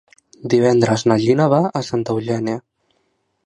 Divendres na Gina va a Santa Eugènia.